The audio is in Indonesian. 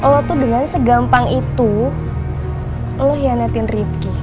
lo tuh dengan segampang itu lo hianatin ricky